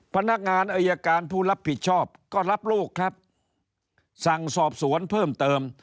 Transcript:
พนักงานอายการผู้รับผิดชอบก็รับลูกครับสั่งสอบสวนเพิ่มเติม